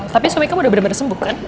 tapi suami kamu udah bener bener sembuh kan